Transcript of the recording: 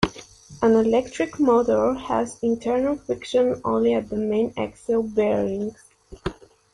An electric motor has internal friction only at the main axle bearings.